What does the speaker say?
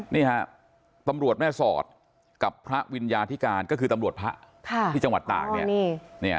นี่ฮะตำรวจแม่สอดกับพระวิญญาธิการก็คือตำรวจพระที่จังหวัดตากเนี่ย